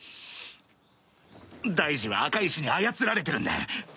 大二は赤石に操られてるんだ！